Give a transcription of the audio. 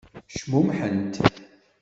Cmumḥent.